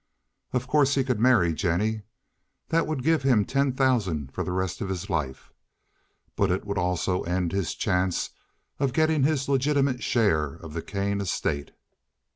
Of course he could marry Jennie. That would give him the ten thousand for the rest of his life, but it would also end his chance of getting his legitimate share of the Kane estate.